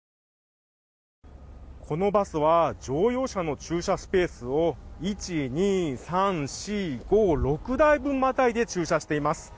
このバスは乗用車の駐車スペースを１、２、３、４、５、６台分またいで駐車しています。